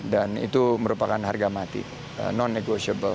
dan itu merupakan harga mati non negotiable